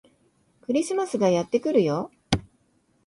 クリスマスがやってくるよ